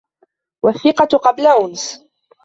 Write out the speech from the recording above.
وَالثِّقَةَ قَبْلَ أُنْسٍ